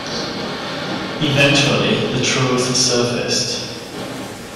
Eventually the truth surfaced.